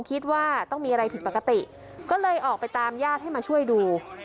คิดว่าต้องมีอะไรผิดปกติก็เลยออกไปตามญาติให้มาช่วยดู